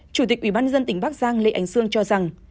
chủ tịch ủy ban dân tỉnh bắc giang lê ánh sương cho rằng